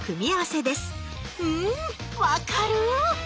うん分かる！